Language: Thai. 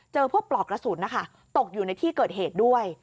พวกปลอกกระสุนนะคะตกอยู่ในที่เกิดเหตุด้วย